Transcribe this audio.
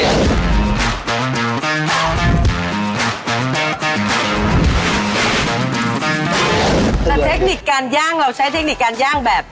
แต่เทคนิคการย่างเราใช้เทคนิคการย่างแบบ